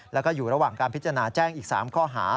แล้วก็อยู่ระหว่างการพิจารณาแจ้งอีก๓ข้อหา